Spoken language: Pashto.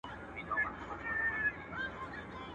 عربو ته قبائل او عجمو ته شعب ويل کيږي.